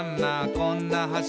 こんな橋」